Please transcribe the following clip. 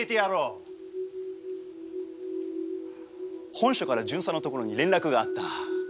本署から巡査のところに連絡があった。